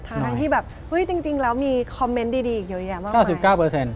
ทั้งที่แบบเฮ้ยจริงแล้วมีคอมเมนต์ดีอีกเยอะแยะมาก